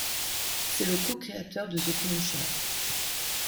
C'est le cocréateur de The Punisher.